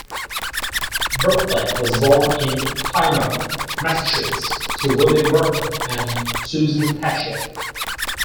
Bartlett was born in Plymouth, Massachusetts, to William Bartlett and Susan Thacher.